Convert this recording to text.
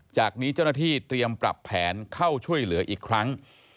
จากนี้เจ้าหน้าที่เตรียมปรับแผนเข้าช่วยเหลืออีกครั้ง